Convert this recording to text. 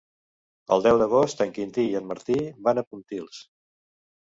El deu d'agost en Quintí i en Martí van a Pontils.